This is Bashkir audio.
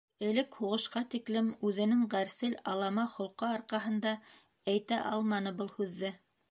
Элек, һуғышҡа тиклем үҙенең, ғәрсел, алама холҡо арҡаһында әйтә алманы был һүҙҙе...